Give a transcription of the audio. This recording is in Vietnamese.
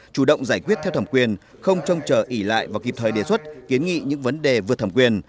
chủ động giải quyết theo thẩm quyền không trông chờ ỉ lại và kịp thời đề xuất kiến nghị những vấn đề vượt thẩm quyền